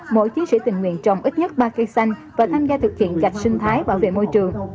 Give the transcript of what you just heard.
mỗi chiến sĩ tình nguyện trồng ít nhất ba cây xanh và tham gia thực hiện chặt sinh thái bảo vệ môi trường